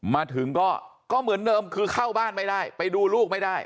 มาถึงก็เหมือนเดิมคือเข้าบ้านไม่ได้ไปดูลูกไม่ได้